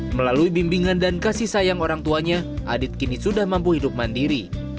melalui bimbingan dan kasih sayang orang tuanya adit kini sudah mampu hidup mandiri